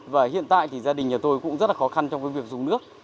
và hiện tại thì gia đình nhà tôi cũng rất là khó khăn trong cái việc dùng nước